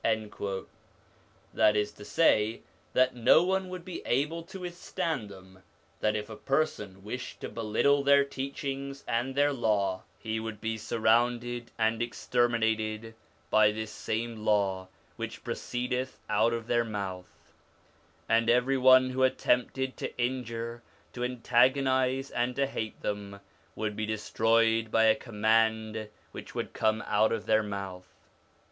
That is to say, that no one would be able to withstand them ; that if a person wished to belittle their teachings and their Law, he would be surrounded and exterminated by this same Law which proceedeth out of their mouth ; and every one who attempted to injure, to antagonise, and to hate them, would be destroyed by a command which would come out of their mouth.